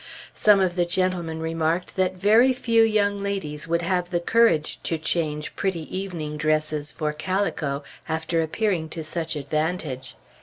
Some of the gentlemen remarked that very few young ladies would have the courage to change pretty evening dresses for calico, after appearing to such advantage.